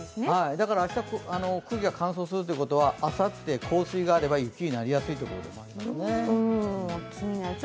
だから、明日空気が乾燥するということはあさって降水があれば雪になりやすいということですね。